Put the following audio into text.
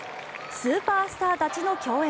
スーパースターたちの競演